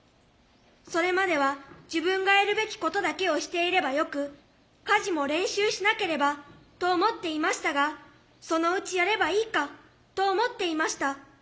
それまでは自分がやるべきことだけをしていればよく家事も練習しなければと思っていましたがそのうちやればいいかと思っていました。